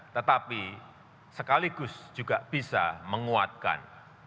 tetapi sekaligus juga bisa menguatkan